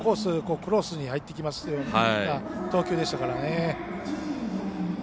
クロスに入ってきたような投球でしたからね。